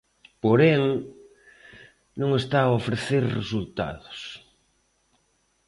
Porén, non está a ofrecer resultados.